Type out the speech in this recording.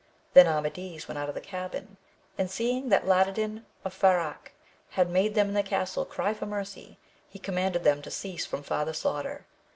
Then Amadis went out of the cabin, and seeing that Ladadin of Fajarque had made them in the castle cry for mercy, he commanded them to cease from farther slaughter.